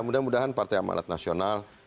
mudah mudahan partai amanat nasional